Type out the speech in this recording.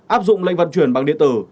áp dụng lệnh vận chuyển bằng điện tử